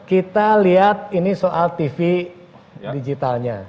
kita lihat ini soal tv digitalnya